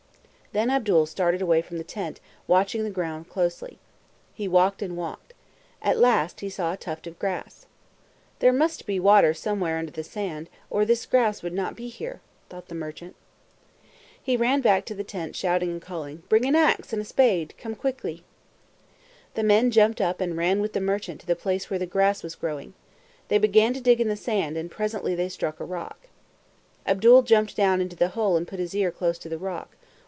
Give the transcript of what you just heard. Then Abdul started away from the tent, watching the ground closely. He walked and walked. At last he saw a tuft of grass. "There must be water somewhere under the sand, or this grass would not be here," thought the merchant. He ran back to the tent, shouting and calling, "Bring an ax and a spade. Come quickly!" The men jumped up and ran with the merchant to the place where the grass was growing. They began to dig in the sand, and presently they struck a rock. Abdul jumped down into the hole and put his ear close to the rock.